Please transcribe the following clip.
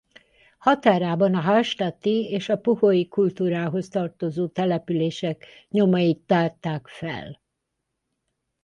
Határában a hallstatti és a puhói kultúrához tartozó települések nyomait tárták fel.